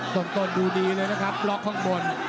ต้นดูดีเลยนะครับล็อกข้างบน